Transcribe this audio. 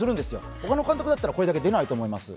他の監督だったら、これだけ出ないと思います。